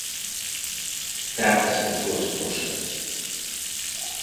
Trátase da súa esposa.